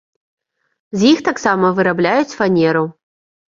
З іх таксама вырабляюць фанеру.